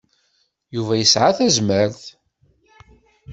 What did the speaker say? Yuba yesɛa tazmert.